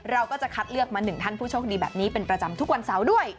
เราก็จะคัดเลือกมาหนึ่งท่านผู้โชคดีแบบนี้เป็นประจำทุกวันเสาร์ด้วย